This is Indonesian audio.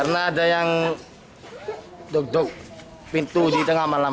karena ada yang duduk pintu di tengah malam